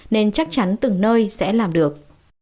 nên chắc chắn từng nơi sẽ làm được